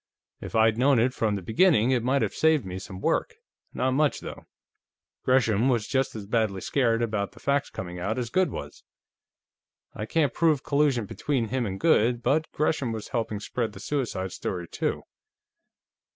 "If I'd known it from the beginning, it might have saved me some work. Not much, though. Gresham was just as badly scared about the facts coming out as Goode was. I can't prove collusion between him and Goode, but Gresham was helping spread the suicide story, too."